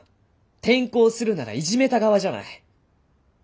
転校するならいじめた側じゃない。